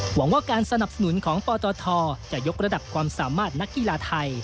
หวังว่าการสนับสนุนของปตทจะยกระดับความสามารถนักกีฬาไทย